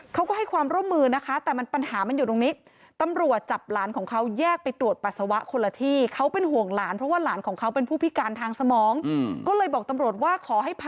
เขาก็ให้ความร่วมมือนะคะแต่ปัญหามันอยู่ตรงนี้